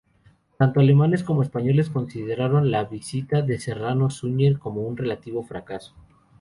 Tanto alemanes como españoles consideraron la visita de Serrano Suñer como un relativo fracaso.